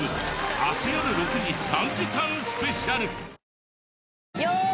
明日よる６時３時間スペシャル。